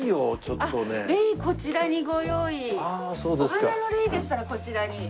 お花のレイでしたらこちらに。